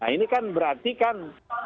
ini kan berarti kan